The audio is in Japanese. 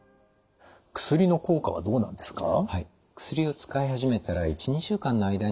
薬の効果はどうなんですか？